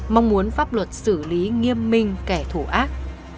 mong muốn pháp luật xử lý nghiêm minh kẻ thù ác